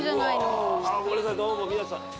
うわ！あっごめんなさいどうも皆さん。